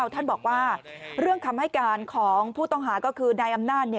ท่านบอกว่าเรื่องคำให้การของผู้ต้องหาก็คือนายอำนาจ